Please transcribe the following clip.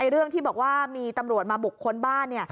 เรื่องที่บอกว่ามีตำรวจมาบุคคลบ้าน